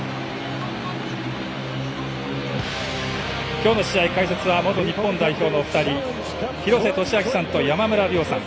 今日の試合、解説は元日本代表のお二人廣瀬俊朗さんと山村亮さん。